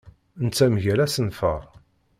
Netta mgal asenfar.